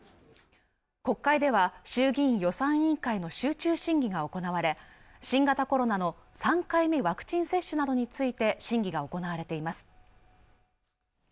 国会では衆議院予算委員会の集中審議が行われ新型コロナの３回目ワクチン接種などについて審議が行われています